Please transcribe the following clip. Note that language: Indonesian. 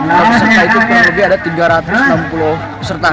dan peserta itu kurang lebih ada tiga ratus enam puluh peserta